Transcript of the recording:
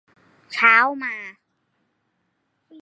เข้ามา